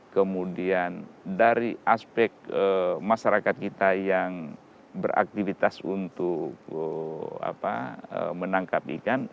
kemudian dari aspek masyarakat kita yang beraktivitas untuk menangkap ikan